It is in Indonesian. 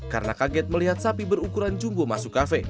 karena kaget melihat sapi berukuran jumbo masuk kafe